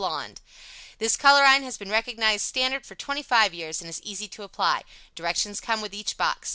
Blonde This colorine has been the recognized standard for 25 years and is easy to apply. Directions come with each box.